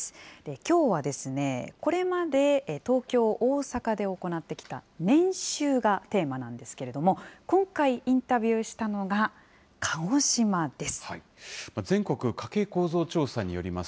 きょうは、これまで東京、大阪で行ってきた年収がテーマなんですけれども、今回、インタビューしたのが鹿児島です。